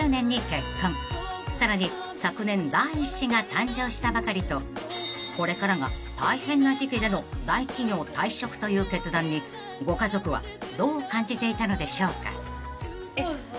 ［さらに昨年第１子が誕生したばかりとこれからが大変な時期での大企業退職という決断にご家族はどう感じていたのでしょうか］